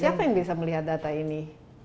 siapa yang bisa melihat data ini